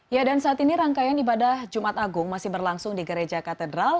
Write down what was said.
ya dan saat ini rangkaian ibadah jumat agung masih berlangsung di gereja katedral